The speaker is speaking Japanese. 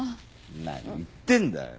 何言ってんだよ。